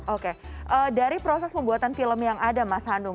oke dari proses pembuatan film yang ada mas hanum